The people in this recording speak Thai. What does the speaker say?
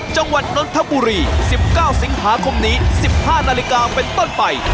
นนทบุรี๑๙สิงหาคมนี้๑๕นาฬิกาเป็นต้นไป